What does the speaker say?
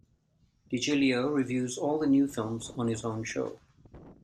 Digilio reviews all the new films on his own show.